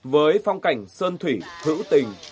với phong cảnh sơn thủy hữu tình